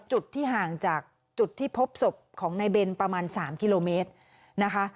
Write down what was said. จุดที่ห่างจากจุดที่พบศพของนายเบนประมาณ๓กิโลเมตรนะคะ